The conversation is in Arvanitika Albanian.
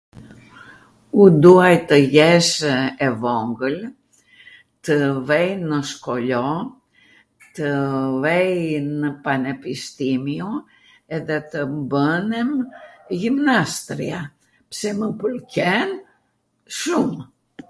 U dua tw jeshw e vogwl, tw vej nw skolo, tw vej nw panepistimio, edhe tw bwnem jimnastria, pse mw pwlqen shum.